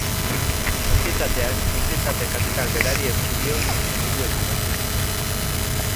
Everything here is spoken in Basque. Sozietateak sozietate kapital berari eutsi dio azken hiru ekitaldietan.